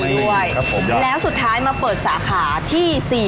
แล้วก็ได้ภูมิใจด้วยแล้วสุดท้ายมาเปิดสาขาที่๔